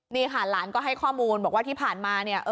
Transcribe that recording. นี่ค่ะหลานก็ให้ข้อมูลบอกว่าที่ผ่านมาเนี่ย